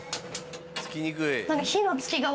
つきにくい。